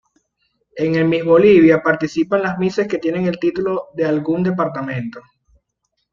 En el Miss Bolivia participan las Misses que tienen el título de algún departamento.